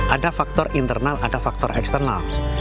ada faktor internal ada faktor eksternal